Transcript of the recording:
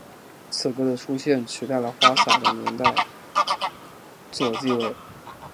此歌的出现取替了花洒的年度作地位。